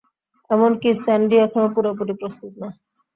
এমনকি স্যান্ডি এখনও পুরোপুরি প্রস্তুত না।